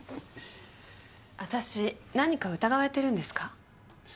私何か疑われてるんですか？